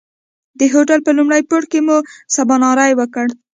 د هوټل په لومړي پوړ کې مو سباناری وکړ.